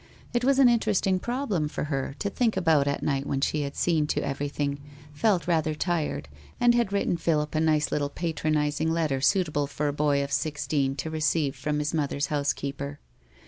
It was an interesting problem for her to think about at night when she had seen to everything, felt rather tired, and had written Philip a nice little pa tronizing letter suitable for a boy of sixteen to receive from his mother's housekeeper.